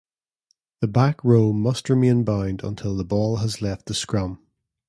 The back row must remain bound until the ball has left the scrum.